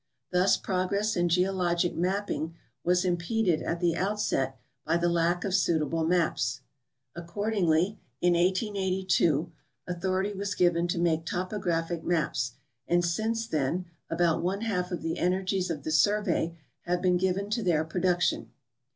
Thus progress in geo logic mapping was impeded at the outset by the lack of suitable maps. Accordingly in 1882 authority was given to make topo graphic maps, and since then about one half of the energies of the Survey have been given to their production.